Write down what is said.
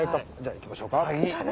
じゃあいきましょうか。